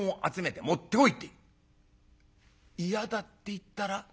「嫌だって言ったら？」。